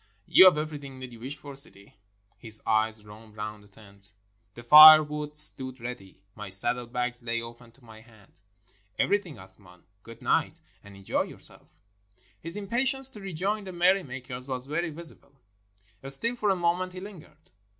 ''You have everything that you wish for, Sidi?" His eyes roamed round the tent. The firewood stood ready ; my saddle bags lay open to my hand. "Everything, Athman. Good night, and enjoy your self." His impatience to rejoin the merry makers was very visible; still, for a moment he lingered.